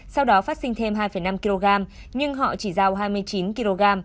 sau đó phát sinh thêm hai năm kg nhưng họ chỉ giao hai mươi chín kg